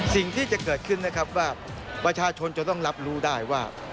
สิ่งที่จะเกิดขึ้นนะครับว่าประชาชนจะต้องรับรู้ได้ว่า